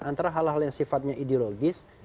antara hal hal yang sifatnya ideologis